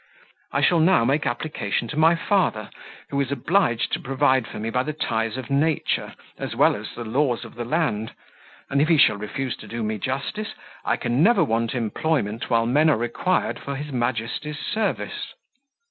I shall now make application to my father, who is obliged to provide for me by the ties of nature, as well as the laws of the land; and if he shall refuse to do me justice, I can never want employment while men are required for his Majesty's service."